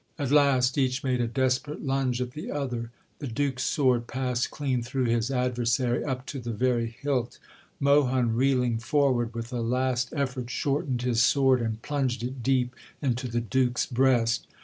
At last each made a desperate lunge at the other; the Duke's sword passed clean through his adversary up to the very hilt; Mohun, reeling forward, with a last effort shortened his sword and plunged it deep into the Duke's breast.